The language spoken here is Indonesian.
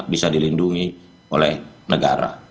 bisa dilindungi oleh negara